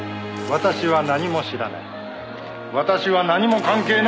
私は何も関係ない！」